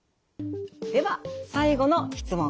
では最後の質問